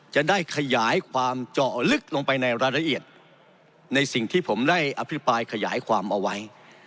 จะได้ขยายความเจาะลึกลงไปในรายละเอียดในสิ่งที่ผมได้อภิปรายขยายความเอาไว้